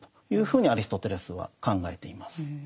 ふうにアリストテレスは考えています。